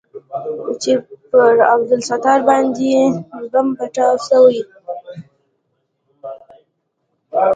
چې پر عبدالستار باندې بم پټاو سوى.